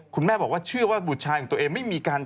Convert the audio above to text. คุณแม่บอกว่าเชื่อว่าบุตรชายของตัวเองไม่มีการ